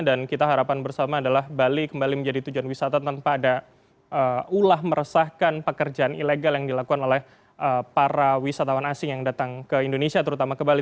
dan kita harapan bersama adalah bali kembali menjadi tujuan wisata tanpa ada ulah meresahkan pekerjaan ilegal yang dilakukan oleh para wisatawan asing yang datang ke indonesia terutama ke bali